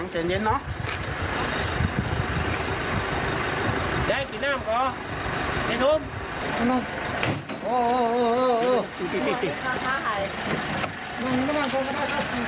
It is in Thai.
พลอยไปจากที่เม่นกลัว